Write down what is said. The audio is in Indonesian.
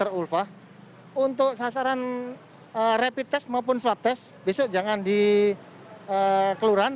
bu dr ulfa untuk sasaran rapid test maupun swab test besok jangan di keluran